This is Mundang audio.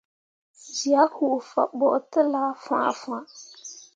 Zyak huu fah ɓo telah fãhnfãhn.